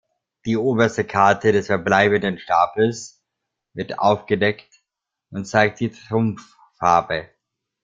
Die oberste Karte des verbleibenden Stapels wird aufgedeckt und zeigt die Trumpf-Farbe.